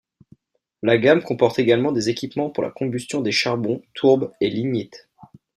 La gamme comporte également des équipements pour la combustion des charbons, tourbes et lignites.